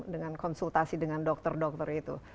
dengan konsultasi dengan dokter dokter itu